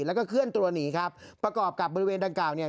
แล้วก็เคลื่อนตัวหนีครับประกอบกับบริเวณดังกล่าวเนี่ย